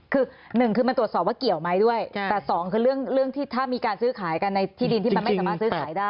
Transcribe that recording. คือหนึ่งคือมันตรวจสอบว่าเกี่ยวไหมด้วยแต่สองคือเรื่องที่ถ้ามีการซื้อขายกันในที่ดินที่มันไม่สามารถซื้อขายได้